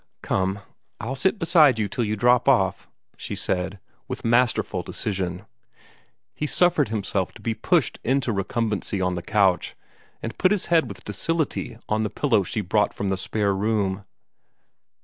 "Come, I'll sit beside you till you drop off," she said, with masterful decision. He suffered himself to be pushed into recumbency on the couch, and put his head with docility on the pillow she brought from the spare room.